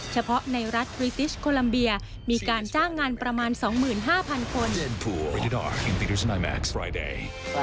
เฉพาะในรัฐกรีติชโคลัมเบียมีการจ้างงานประมาณสองหมื่นห้าพันคน